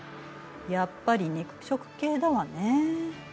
やっぱり肉食系だわねえ。